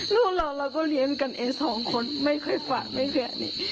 ลูกเราเราก็เรียนกันเองสองคนไม่เคยฝากไม่เคยอันนี้